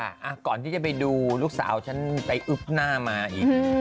อ่ะก่อนที่จะไปดูลูกสาวฉันไปอึ๊บหน้ามาอีก